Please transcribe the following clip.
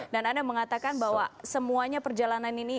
dan anda mengatakan bahwa semuanya perjalanan ini